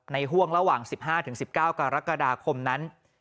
ห่วงระหว่าง๑๕๑๙กรกฎาคมนั้น